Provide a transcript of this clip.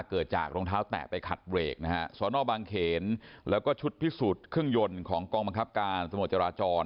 เกิดจากรองเท้าแตะไปขัดเบรกนะฮะสอนอบางเขนแล้วก็ชุดพิสูจน์เครื่องยนต์ของกองบังคับการตำรวจจราจร